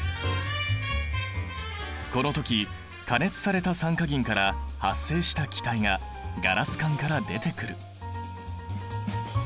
この時加熱された酸化銀から発生した気体がガラス管から出てくる。